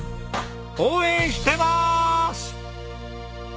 応援してます！